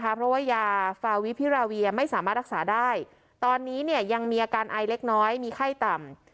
เพราะว่ายาฟาวิพิราเวียไม่สามารถรักษาได้ตอนนี้เนี่ยยังมีอาการไอเล็กน้อยมีไข้ต่ำ